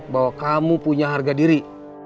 bahwa kamu punya harga diri